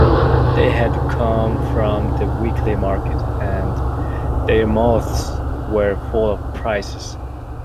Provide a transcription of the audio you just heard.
They had come from the weekly market, and their mouths were full of prices.